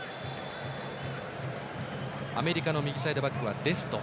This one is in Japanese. アメリカの右サイドバックはデスト。